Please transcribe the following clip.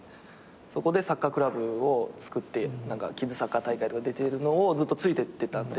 そこでサッカークラブをつくってキッズサッカー大会とか出てるのをずっとついてってたんで。